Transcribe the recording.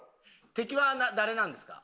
敵は誰なんですか？